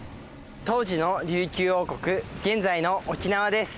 当時の琉球王国現在の沖縄です。